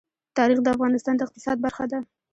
تاریخ د افغانستان د اقتصاد برخه ده.